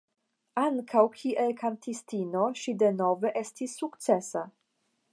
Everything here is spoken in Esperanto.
Ankaŭ kiel kantistino ŝi denove estis sukcesa.